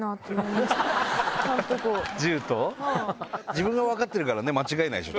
自分が分かってるからね間違えないでしょ。